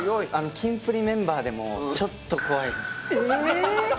キンプリメンバーでもちょっと怖いですね。